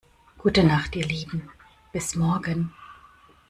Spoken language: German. Gute Nacht ihr Lieben, bis morgen.